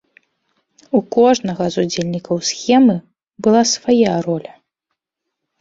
У кожнага з удзельнікаў схемы была свая роля.